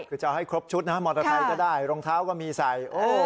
คือจะเอาให้ครบชุดนะมอเตอร์ไซค์ก็ได้รองเท้าก็มีใส่